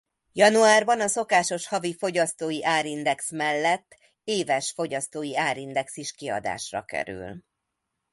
Januárban a szokásos havi fogyasztói árindex mellett éves fogyasztói árindex is kiadásra kerül.